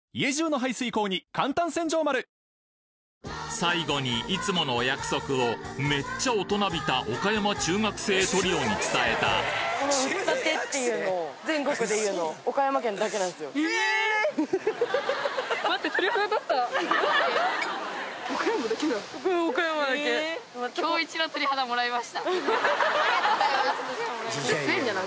最後にいつものお約束をめっちゃ大人びた岡山中学生トリオに伝えたありがとうございます。